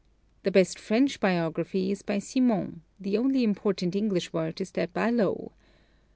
The best French biography is by Simon; the only important English work is that by Lowe.